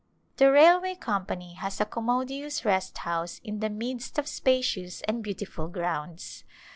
The railway company has a commodious rest house in the midst of spacious and beautiful grounds.